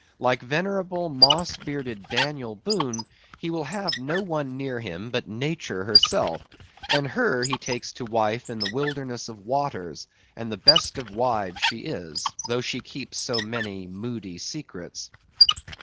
Like venerable moss bearded Daniel Boone, he will have no one near him but Nature herself; and her he takes to wife in the wilderness of waters, and the best of wives she is, though she keeps so many moody secrets.